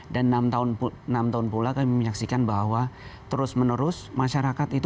dan enam tahun pula kami menyaksikan bahwa terus menerus masyarakat itu partai